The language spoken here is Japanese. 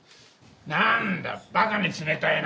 なんだバカに冷たいな。